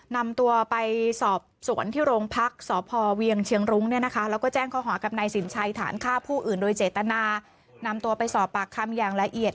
นำตัวไปสอบสวนที่โรงพักษ์สพเวียงเชียงรุ้งเนี่ยนะคะแล้วก็แจ้งข้อหากับนายสินชัยฐานฆ่าผู้อื่นโดยเจตนานำตัวไปสอบปากคำอย่างละเอียด